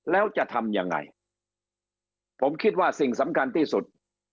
แล้วจะทำยังไงผมคิดว่าสิ่งสำคัญที่สุด